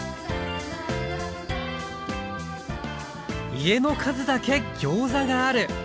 家の数だけギョーザがある。